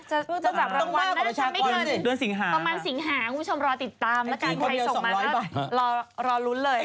จะจับรางวัลนะทำไมเกินประมาณสิงหาคุณผู้ชมรอติดตามนะครับไทยส่งมาแล้วรอรุ้นเลย